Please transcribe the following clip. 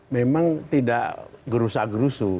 memang tidak gerusa gerusu